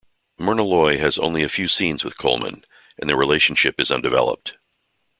Myrna Loy has only a few scenes with Colman, and their relationship is undeveloped.